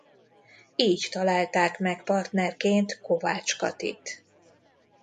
Így találták meg partnerként Kovács Katit.